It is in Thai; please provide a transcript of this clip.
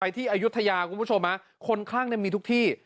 ที่อายุทยาคุณผู้ชมคนคลั่งมีทุกที่